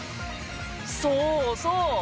そう、そう。